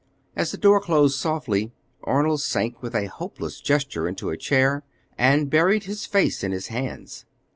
As the door closed softly, Arnold sank with a hopeless gesture into a chair and buried his face in his hands.